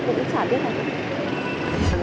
cũng chả biết là